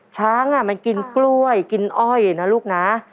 ช้างมันกินกล้วยกินอ้อยนะลูกนะ